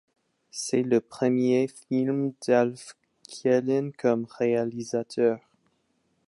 C'est le premier film d'Alf Kjellin comme réalisateur.